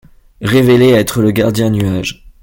Révélé être le gardien nuages.